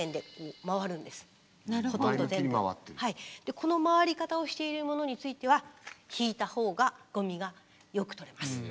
この回り方をしているものについては引いた方がゴミがよく取れます。